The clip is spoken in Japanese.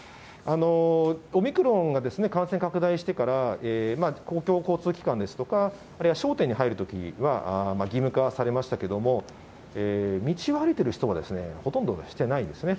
オミクロンが感染拡大してから公共交通機関ですとか、あるいは商店に入るときは義務化されましたけれども、道を歩いている人は、ほとんどがしてないですね。